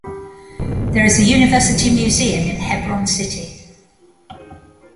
There is a University museum in Hebron City.